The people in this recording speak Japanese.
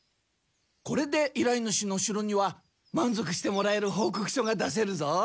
これでいらい主の城にはまん足してもらえるほうこく書が出せるぞ。